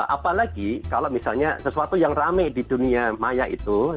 apalagi kalau misalnya sesuatu yang rame di dunia maya itu